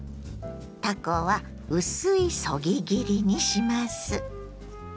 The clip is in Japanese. たこは薄いそぎ切りにします。